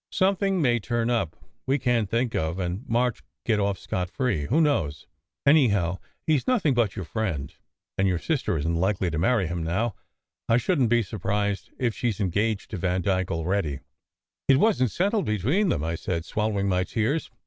Something may turn up we can t think of, and March get off scot free. Who knows? Anyhow, he s nothing but your friend. And your sister isn t likely to marry him now. I shouldn t be surprised if she s engaged to Vandyke already." "It wasn t settled between them," I said, swallowing my tears.